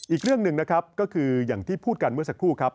อีกเรื่องหนึ่งนะครับก็คืออย่างที่พูดกันเมื่อสักครู่ครับ